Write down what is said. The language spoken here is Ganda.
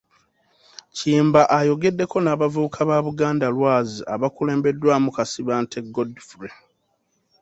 Kiyimba ayogedeko n'abavubuka ba ‘Buganda Lwazi,' abakulembeddwamu Kasibante Godfrey.